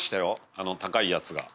あの高いやつが。